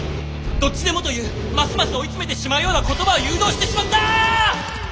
「どっちでも」というますます追い詰めてしまうような言葉を誘導してしまった！